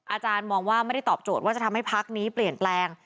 อาจารย์มองว่าไม่ได้ตอบโจทย์ว่าจะทำให้พักนี้เปลี่ยนแปลง